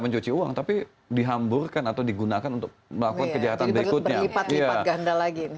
mencuci uang tapi dihamburkan atau digunakan untuk melakukan kejahatan berikutnya iya anda lagi